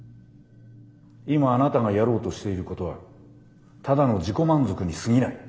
今あなたがやろうとしていることはただの自己満足にすぎない。